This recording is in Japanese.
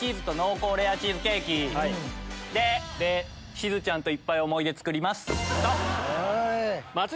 しずちゃんといっぱい思い出作りますストップ！